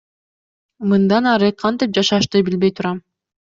Мындан ары кантип жашашты билбей турам.